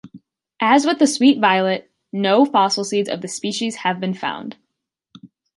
As with the sweet violet, no fossil seeds of this species have been found.